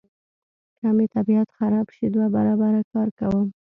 که مې طبیعت خراب شي دوه برابره کار کوم.